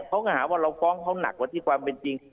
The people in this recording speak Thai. เขาก็หาว่าเราฟ้องเขาหนักกว่าที่ความเป็นจริง